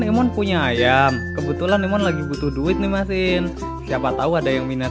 ini kan emon punya ayam kebetulan emon lagi butuh duit nih mas in siapa tahu ada yang minat